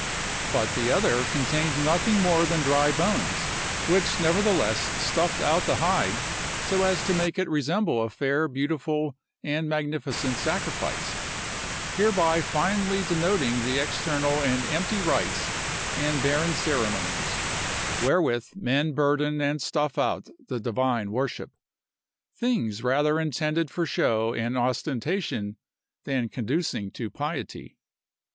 But the other contained nothing more than dry bones, which nevertheless stuffed out the hide, so as to make it resemble a fair, beautiful, and magnificent sacrifice; hereby finely denoting the external and empty rites and barren ceremonies, wherewith men burden and stuff out the divine worship,—things rather intended for show and ostentation than conducing to piety.